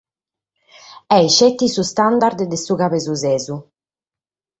Est sceti su standard de su cabesusesu.